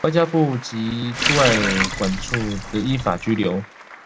外交部及駐外館處得依法扣留